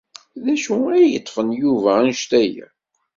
D acu ay yeḍḍfen Yuba anect-a akk?